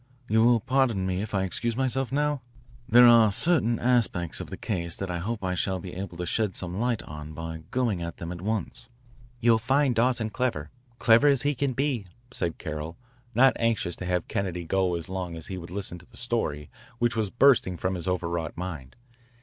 You will pardon me if I excuse myself now? There are certain aspects of the case that I hope I shall be able to shed some light on by going at them at once." "You'll find Dawson clever, clever as he can be," said Carroll, not anxious to have Kennedy go as long as he would listen to the story which was bursting from his overwrought mind.